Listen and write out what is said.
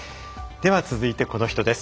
では、続いてこの人です。